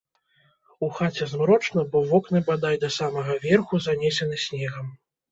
У хаце змрочна, бо вокны бадай да самага верху занесены снегам.